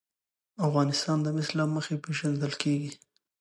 افغانستان د مس له مخې پېژندل کېږي.